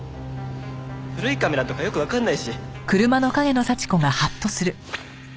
古いカメラとかよくわかんないし。